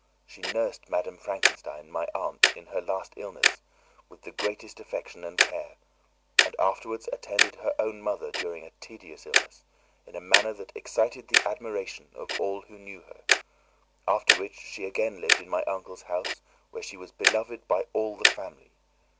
She nursed Madame Frankenstein, my aunt, in her last illness, with the greatest affection and care and afterwards attended her own mother during a tedious illness, in a manner that excited the admiration of all who knew her, after which she again lived in my uncle's house, where she was beloved by all the family.